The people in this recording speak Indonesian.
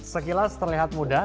sekilas terlihat mudah